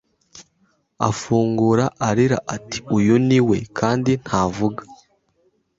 Afungura arira ati Uyu ni we kandi ntavuga